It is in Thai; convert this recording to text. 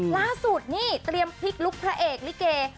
ล่าสุดนี่เตรียมพลิกลุคพระเอกลิเก